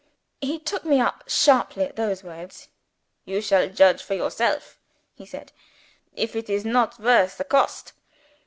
He took me up sharply at those words. "You shall judge for yourself," he said, "if it is not worth the cost.